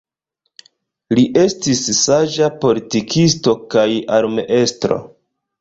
Li estis saĝa politikisto kaj armeestro.